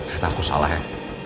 ternyata aku salah ya